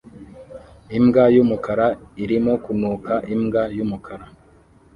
imbwa yumukara irimo kunuka imbwa yumukara